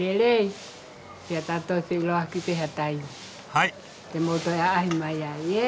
はい。